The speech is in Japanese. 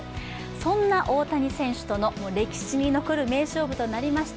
そんな大谷選手との歴史に残る名勝負となりました